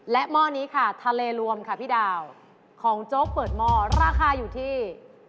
หม้อนี้ค่ะทะเลรวมค่ะพี่ดาวของโจ๊กเปิดหม้อราคาอยู่ที่